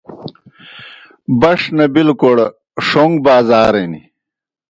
بݜ نہ بِلوْکڑ ݜوݩگ بازارِن